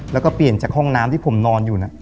แล้วก็เปลี่ยนจากห้องน้ำที่ผมนอนอยู่นะ